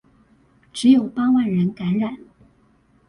只有八萬人感染